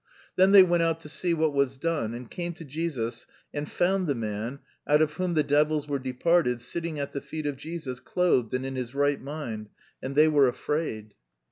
"'Then they went out to see what was done; and came to Jesus and found the man, out of whom the devils were departed, sitting at the feet of Jesus, clothed, and in his right mind; and they were afraid.'"